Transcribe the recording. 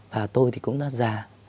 và tôi thì cũng đã già